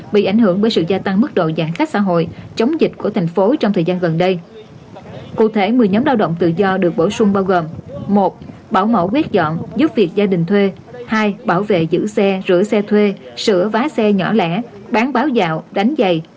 bị ảnh hưởng bởi sự gia tăng mức độ giãn khách xã hội chống dịch của thành phố trong thời gian gần đây